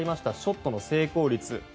そのショットの成功率。